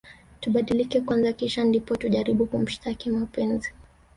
Tubadilike kwanza kisha ndipo tujaribu kumshtaki mapenzi